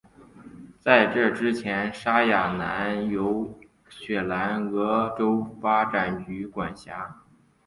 在这之前沙亚南由雪兰莪州发展局管辖。